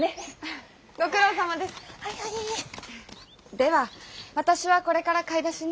では私はこれから買い出しに。